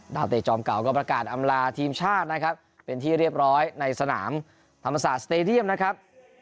เตะจอมเก่าก็ประกาศอำลาทีมชาตินะครับเป็นที่เรียบร้อยในสนามธรรมศาสตร์สเตดียมนะครับ